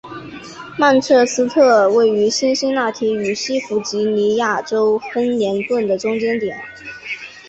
曼彻斯特位于辛辛那提与西弗吉尼亚州亨廷顿的中间点。